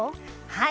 はい。